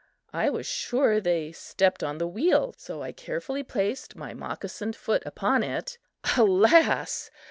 I was sure they stepped on the wheel, so I cautiously placed my moccasined foot upon it. Alas!